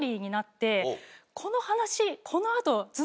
この話。